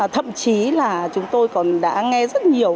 thậm chí là chúng tôi còn đã nghe rất nhiều